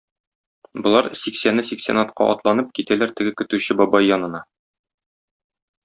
Болар сиксәне сиксән атка атланып китәләр теге көтүче бабай янына.